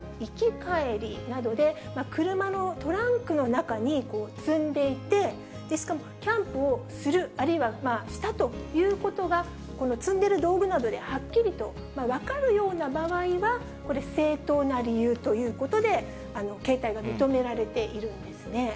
なので、例えばキャンプの行き帰りなどで、車のトランクの中に積んでいて、しかもキャンプをする、あるいはしたということが、この積んでる道具などではっきりと分かるような場合は、これ、正当な理由ということで、携帯が認められているんですね。